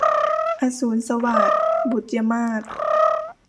อสูรสวาท - บุษยมาส